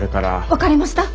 分かりました！